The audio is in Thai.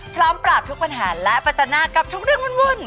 พร้อมปราบทุกปัญหาและประจันหน้ากับทุกเรื่องวุ่น